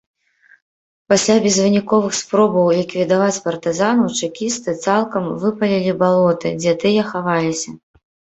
Пасля безвыніковых спробаў ліквідаваць партызанаў чэкісты цалкам выпалілі балоты, дзе тыя хаваліся.